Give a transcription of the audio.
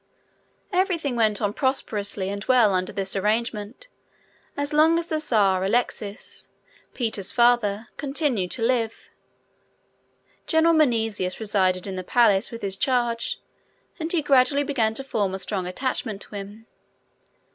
Every thing went on prosperously and well under this arrangement as long as the Czar Alexis, Peter's father, continued to live. General Menesius resided in the palace with his charge, and he gradually began to form a strong attachment to him.